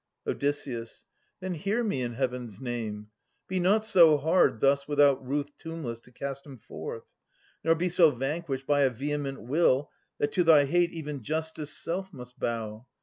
Od. Then hear me in Heaven's name ! Be not so hard Thus without ruth tombless to cast him forth ; Nor be so vanquished by a vehement will. That to thy hate even Justice' self must bow.